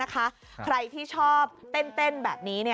ใครที่ชอบเต้นแบบนี้